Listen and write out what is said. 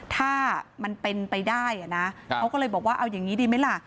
ถ้ามันเป็นไปได้นะเขาก็เลยบอกว่าเอาอย่างนี้ดีไหมล่ะ